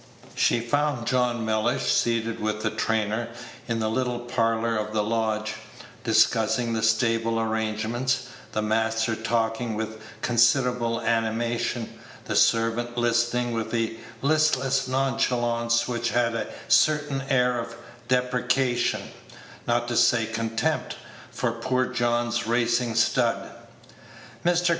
She found John Mellish seated with the trainer, in the little parlor of the lodge, discussing the stable arrangement; the master talking with considerable animation, the servant listening with a listless nonchalance which had a certain air of depreciation, not to say contempt, for poor John's racing stud. Mr.